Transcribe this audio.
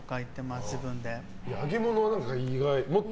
揚げ物は意外。